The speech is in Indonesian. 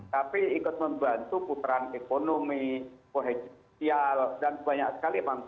tapi ikut membantu putaran ekonomi kohesial dan banyak sekali manfaat